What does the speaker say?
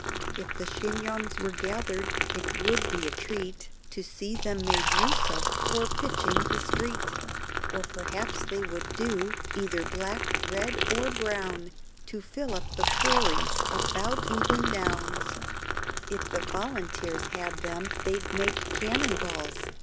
If the chignons were gathered, it would be a treat To see them made use of for pitching the street, Or perhaps they would do, either black, red, or brown, To fill up the quaries about the Downs: If the Volunteers had them they'd make cannon balls.